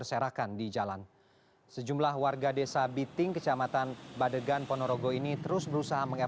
saya yang jadi menggantikan kata waktu pagi ini saya masih ingat